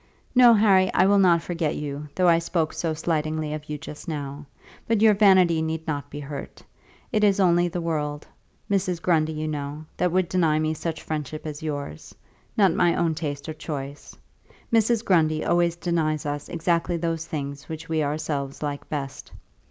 "No, Harry, I will not forget you, though I spoke so slightingly of you just now. But your vanity need not be hurt. It is only the world, Mrs. Grundy, you know, that would deny me such friendship as yours; not my own taste or choice. Mrs. Grundy always denies us exactly those things which we ourselves like best.